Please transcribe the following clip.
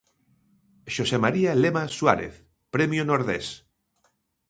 Xosé María Lema Suárez, Premio Nordés.